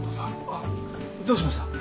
あっどうしました？